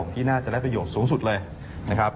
ที่น่าจะได้ประโยชน์สูงสุดเลยนะครับ